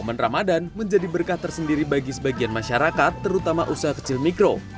momen ramadan menjadi berkah tersendiri bagi sebagian masyarakat terutama usaha kecil mikro